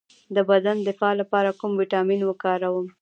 د بدن د دفاع لپاره کوم ویټامین وکاروم؟